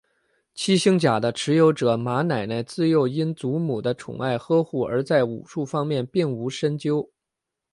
七星甲的持有者马奶奶自幼因祖母的宠爱呵护而在武术方面并无深究。